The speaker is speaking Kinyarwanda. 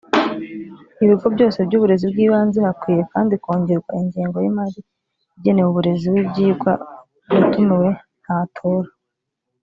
ibigo byose by uburezi bw ibanze hakwiye kandi kongerwa ingengo yimari igenewe uburezi w ibyigwa uwatumiwe ntatora